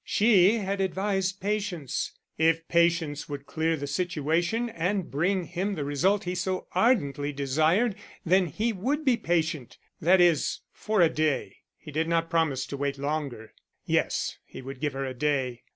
She had advised patience. If patience would clear the situation and bring him the result he so ardently desired, then he would be patient that is, for a day; he did not promise to wait longer. Yes, he would give her a day.